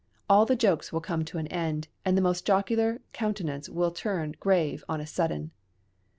All the jokes will come to an end, and the most jocular countenance will turn grave on a sudden.